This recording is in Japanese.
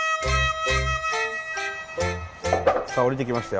さあ下りてきましたよ。